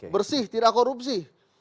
bersih tidak korupsi